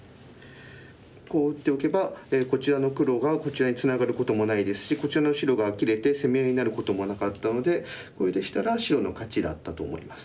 こう打っておけばこちらの黒がこちらにツナがることもないですしこちらの白が切れて攻め合いになることもなかったのでこれでしたら白の勝ちだったと思います。